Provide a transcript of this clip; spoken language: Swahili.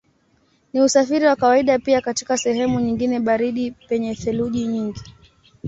Ni usafiri wa kawaida pia katika sehemu nyingine baridi penye theluji nyingi.